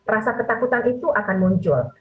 rasa ketakutan itu akan muncul